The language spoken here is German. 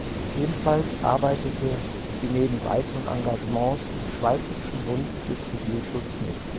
Ebenfalls arbeitete sie neben weiteren Engagements im Schweizerischen Bund für Zivilschutz mit.